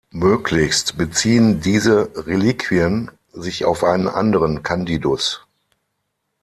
Möglichst beziehen diese Reliquien sich auf einen anderen Candidus.